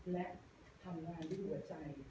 และทำงานด้วยหัวใจ